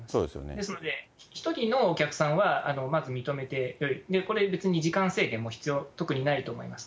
ですので、１人のお客さんは、まず認めてよい、これ、別に時間制限も特にないと思います。